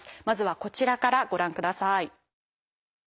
まずはこちらからご覧ください。